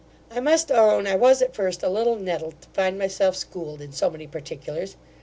I must own, I was at first a little nettled to find myself schooled in so many particulars.